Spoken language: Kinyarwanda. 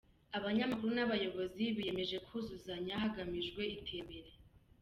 Abanyamakuru n’abayobozi biyemeje kuzuzanya hagamijwe iterambere